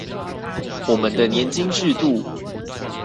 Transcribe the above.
我們的年金制度